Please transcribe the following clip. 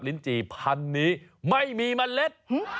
ลินจีพันนี้ไม่มีมะเล็ด